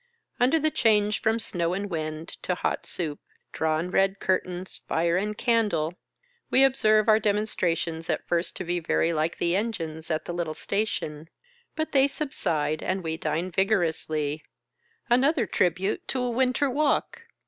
Under the change from snow and wind to hot soup, drawn red curtains, fire and candle, we observe our demonstrations at first to be very like the engine's at the little station ; but they sub side, and we dine vigorously — another tribute to a winter walk!